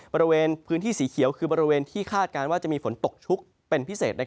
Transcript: บริเวณพื้นที่สีเขียวคือบริเวณที่คาดการณ์ว่าจะมีฝนตกชุกเป็นพิเศษ